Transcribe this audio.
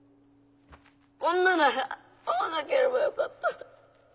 こんななら会わなければよかった。